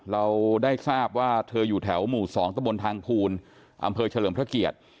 เราได้ทราบว่าเธออยู่แถวหมู่๒ตะบนทางภูลอำเภอเฉลิมพระเกียรติ